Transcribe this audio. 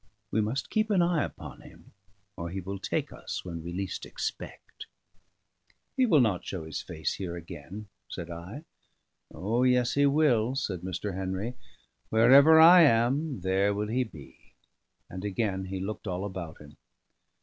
We must keep an eye upon him, or he will take us when we least expect." "He will not show face here again," said I. "O yes, he will," said Mr. Henry. "Wherever I am, there will he be." And again he looked all about him.